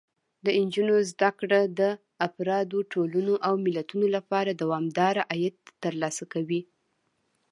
د نجونو زده کړه د افرادو، ټولنو او ملتونو لپاره دوامداره عاید ترلاسه کوي.